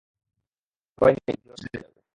ভয় নেই, জ্বর সেরে যাবে।